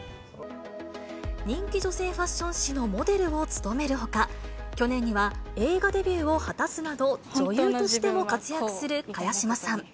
人気女性ファッション誌のモデルを務めるほか、去年には、映画デビューを果たすなど、女優としても活躍する茅島さん。